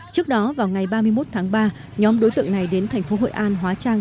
trước đó vào ngày ba mươi một tháng ba nhóm đối tượng này đến tp hội an hóa trang